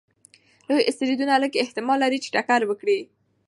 لوی اسټروېډونه لږ احتمال لري چې ټکر وکړي.